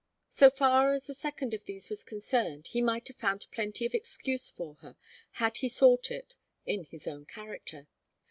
So far as the second of these was concerned, he might have found plenty of excuse for her, had he sought it, in his own character.